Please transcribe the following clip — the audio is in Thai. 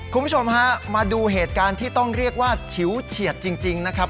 คุณผู้ชมฮะมาดูเหตุการณ์ที่ต้องเรียกว่าฉิวเฉียดจริงนะครับ